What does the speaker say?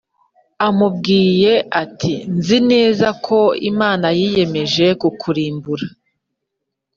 amubwiye ati nzi neza ko Imana yiyemeje kukurimbura